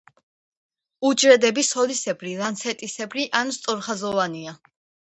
უჯრედები სოლისებრი, ლანცეტისებრი ან სწორხაზოვანია.